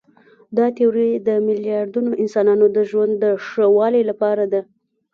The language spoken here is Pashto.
دا تیوري د میلیاردونو انسانانو د ژوند د ښه والي لپاره ده.